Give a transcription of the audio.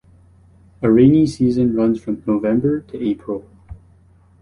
A rainy season runs from November to April.